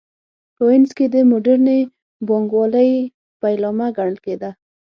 په وینز کې د موډرنې بانک والۍ پیلامه ګڼل کېده